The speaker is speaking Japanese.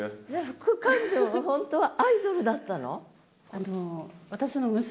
副館長は本当はアイドルだったの？